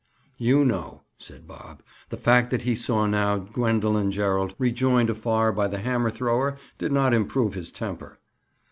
"You know," said Bob. The fact that he now saw Gwendoline Gerald rejoined afar by the hammer thrower did not improve his temper.